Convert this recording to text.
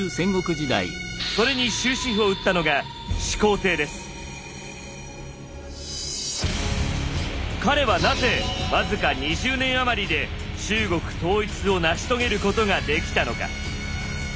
それに終止符を打ったのが彼はなぜ僅か２０年余りで中国統一を成し遂げることができたのか。